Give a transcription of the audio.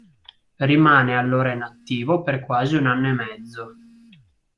Rimane allora inattivo per quasi un anno e mezzo.